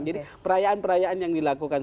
jadi perayaan perayaan yang dilakukan semua orang